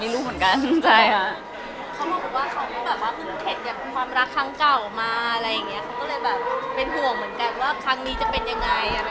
ไม่เคยถามเหมือนกันนะ